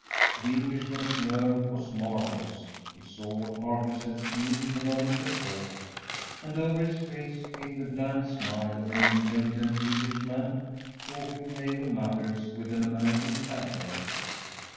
The Englishman's nerve was marvellous. He saw what Harkness had seen a moment before, and over his face came the bland smile of an intelligent English man talking naval matters with an American admiral.